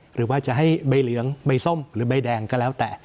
หรือว่าจะให้ใบเหลืองใบส้มหรือใบแดงก็แล้วแต่